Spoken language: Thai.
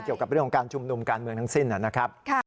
เกี่ยวกับเรื่องของการชุมนุมการเมืองทั้งสิ้นนะครับ